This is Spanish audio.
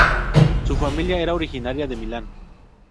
Su familia era originaria de Milán.